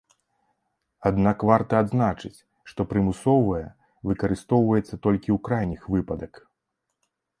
Аднак варта адзначыць, што прымусовая выкарыстоўваецца толькі ў крайніх выпадак.